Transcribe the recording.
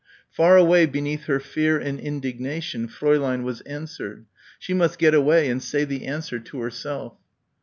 Far away beneath her fear and indignation, Fräulein was answered. She must get away and say the answer to herself.